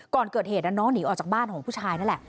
ก่อนเกิดเหตุน้องหนีออกจากบ้านของผู้ชายนั่นแหละ